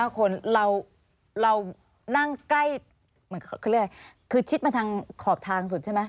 ๔๕คนเรานั่งใกล้คือชิดมาทางขอบทางสุดใช่ไหม